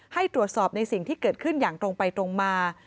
ให้ตรวจสอบในสิ่งที่เกิดขึ้นอย่างตรงไปตรงมา